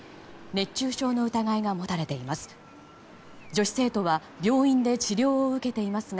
熱中症の疑いが持たれています。